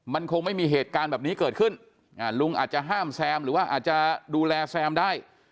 มันคงไม่มีเหตุการณ์แบบนี้เกิดขึ้นลุงอาจจะห้ามแซมหรือว่าอาจจะดูแลแซมได้